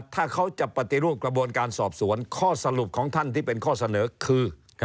ถ้าเขาจะปฏิรูปกระบวนการสอบสวนข้อสรุปของท่านที่เป็นข้อเสนอคือ